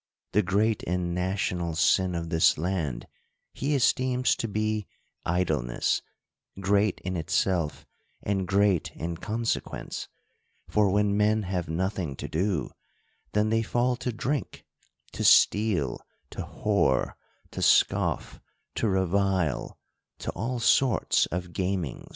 — The great and national sin of this land, he esteems to be idleness : great in itself, and great in consequence ; for when men have nothing to do, then they fall to drink, to steal, to whore, to scoff, to revile, to all sorts of gamings.